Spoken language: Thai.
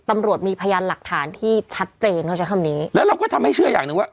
ตำรวจมีพยานหลักฐานที่ชัดเจนเขาใช้คำนี้แล้วเราก็ทำให้เชื่ออย่างหนึ่งว่า